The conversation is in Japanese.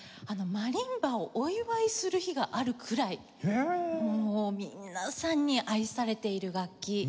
マリンバをお祝いする日があるくらいもう皆さんに愛されている楽器。